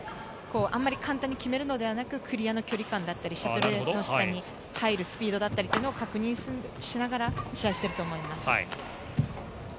あまり簡単に決めるのではなくクリアな距離感だったりシャトルの下に入るスピードだったりを確認しながら試合をしていると思います。